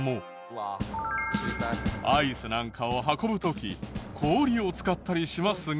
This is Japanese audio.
アイスなんかを運ぶ時氷を使ったりしますが。